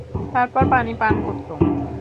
তারপর পানি পান করত।